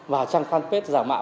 và trang fanpage giả mạo